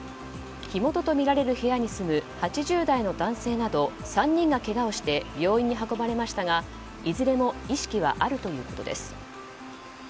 火元とみられる部屋に住む８０代の男性など３人がけがをして病院に運ばれましたがいずれも意識はあるということです。